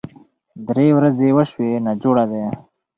درې ورځې وشوې ناجوړه دی